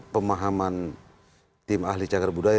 pemahaman tim ahli jagar budaya